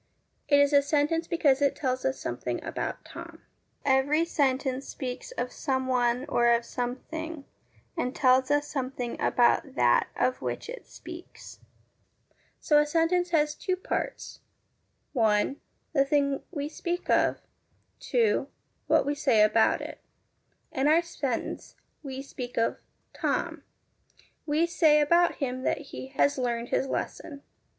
It is a sentence because it tells us something about Tom. 1 Palace Tales, H. Fielding. LESSONS AS INSTRUMENTS OF EDUCATION 297 Every sentence speaks of someone or of something, and tells us something about that of which it speaks. So a sentence has two parts : (1) The thing we speak of; (2) What we say about it. In our sentence, we speak of ' Tom.' We say about him that he ' has learned his lesson.'